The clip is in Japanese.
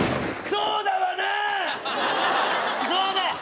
そうだわなどうだ